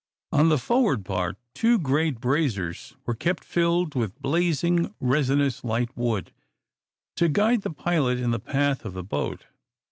On the forward part two great braziers were kept filled with blazing, resinous light wood, to guide the pilot in the path of the boat.